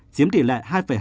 chiếm tỷ lệ hai hai